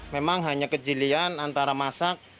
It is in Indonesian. memang hanya kejilian antara masak